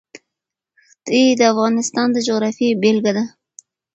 ښتې د افغانستان د جغرافیې بېلګه ده.